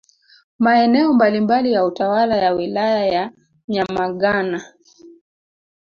Maeneo mbalimbali ya utawala ya Wilaya ya Nyamagana